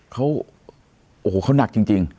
เข้าโอ้โหเขาหนักจริงจริง